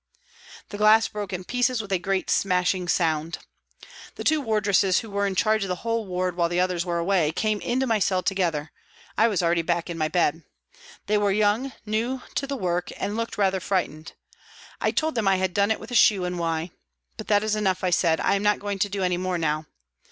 The glass broke in pieces with a great smashing sound. The two wardresses, who were in charge of the whole ward while the others were away, came into my cell together ; I was already back in my bed. They were young, new to the work, and looked rather frightened. I told them I had done it with a shoe, and why. " But that is enough," I said, " I am not going to do any more now."